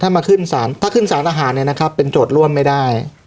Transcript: ถ้ามาขึ้นสารถ้าขึ้นสารทหารเนี่ยนะครับเป็นโจทย์ร่วมไม่ได้